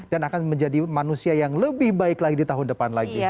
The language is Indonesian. dan akan menjadi manusia yang lebih baik lagi di tahun depan lagi